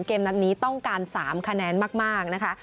เกมนัดนี้ต้องการ๓คะแนนมากนะคะ